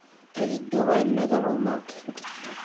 Ad dduɣ arma d Roma.